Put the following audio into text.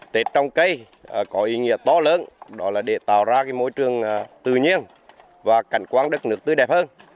tết trồng cây có ý nghĩa to lớn đó là để tạo ra môi trường tự nhiên và cảnh quan đất nước tươi đẹp hơn